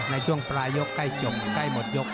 ในช่วงปลายยกใกล้จบใกล้หมดยก